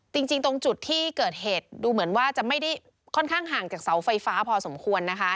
จริงตรงจุดที่เกิดเหตุดูเหมือนว่าจะไม่ได้ค่อนข้างห่างจากเสาไฟฟ้าพอสมควรนะคะ